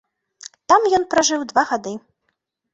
Там ён пражыў два гады.